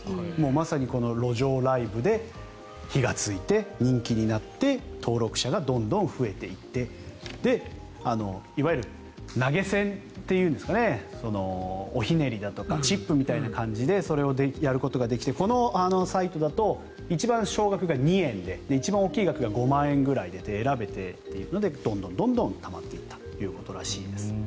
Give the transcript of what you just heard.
まさに路上ライブで火がついて人気になって登録者がどんどん増えていっていわゆる投げ銭というんですかねおひねりだとかチップみたいな感じでそれをやることができてそのサイトだと一番少額が２円で一番大きい額が５万円でと選べてどんどんたまっていったということらしいです。